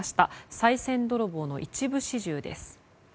さい銭泥棒の一部始終です。